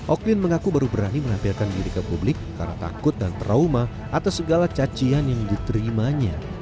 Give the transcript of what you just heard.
oklin mengaku baru berani menampilkan diri ke publik karena takut dan trauma atas segala cacian yang diterimanya